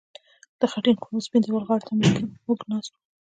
د خټین کور د سپین دېوال غاړې ته موږ ناست وو